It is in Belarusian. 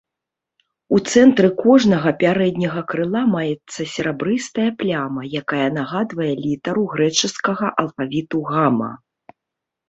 У цэнтры кожнага пярэдняга крыла маецца серабрыстая пляма, якая нагадвае літару грэчаскага алфавіту гама.